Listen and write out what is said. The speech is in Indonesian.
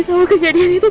sama kejadian itu